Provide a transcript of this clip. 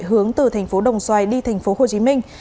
hướng từ thành phố đồng xoài đi thành phố hồ chí minh